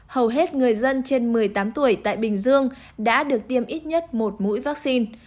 hầu hết người dân trên một mươi tám tuổi tại bình dương đã được tiêm ít nhất một mũi vaccine